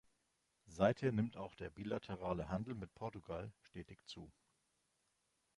Seither nimmt auch der bilaterale Handel mit Portugal stetig zu.